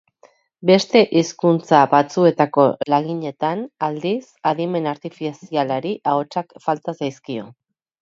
Beste hizkuntza batzuetako laginetan, aldiz, adimen artifizialari ahotsak falta zaizkio.